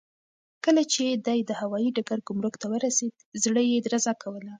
کله چې دی د هوايي ډګر ګمرک ته ورسېد، زړه یې درزا کوله.